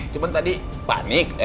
cuman tadi panik